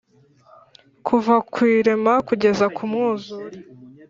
Kuva ku irema kugeza ku mwuzure